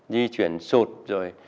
di chuyển sột rồi